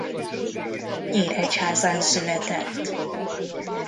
Nyíregyházán született.